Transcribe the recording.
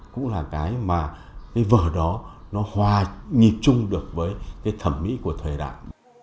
cũng là cái mà cái vở đó nó hòa nhịp chung được với cái thẩm mỹ của thời đại